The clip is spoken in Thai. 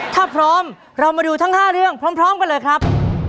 ถ้าพร้อมเรามาดูทั้ง๕เรื่องพร้อมกันเลยครับ